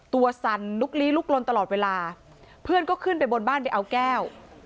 สั่นลุกลี้ลุกลนตลอดเวลาเพื่อนก็ขึ้นไปบนบ้านไปเอาแก้ว